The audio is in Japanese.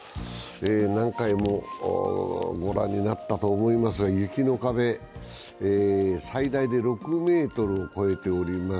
何回もご覧になったと思いますが、雪の壁、最大で６ｍを超えております。